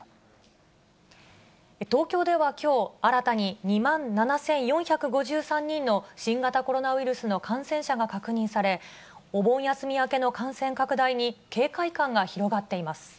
東京ではきょう、新たに２万７４５３人の新型コロナウイルスの感染者が確認され、お盆休み明けの感染拡大に警戒感が広がっています。